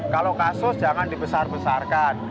kalau kasus jangan dibesar besarkan